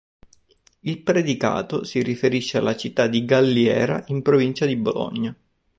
Il predicato si riferisce alla città di Galliera, in provincia di Bologna.